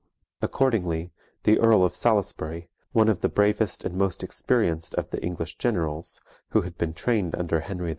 Accordingly, the Earl of Salisbury, one of the bravest and most experienced of the English generals, who had been trained under Henry V.